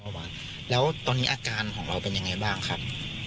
เป็นเบาหวานที่ดีเป็นเบาหวานแล้วตอนนี้อาการของเราเป็นยังไงบ้างครับ